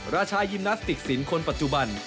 ราชายิมนาสติกสินคนปัจจุบัน